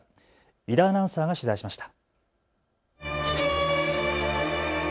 井田アナウンサーが取材しました。